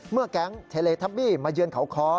แก๊งเทเลทับบี้มาเยือนเขาคอ